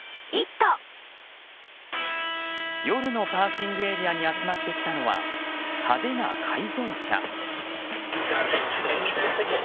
夜のパーキングエリアに集まってきたのは派手な改造車。